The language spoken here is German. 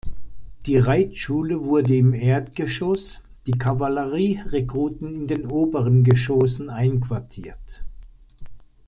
Die Reitschule wurde im Erdgeschoss, die Kavallerie-Rekruten in den oberen Geschossen einquartiert.